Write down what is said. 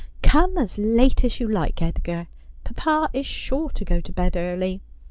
Come as ]ate as you like, Edgar. Papa is sure to go to bed early.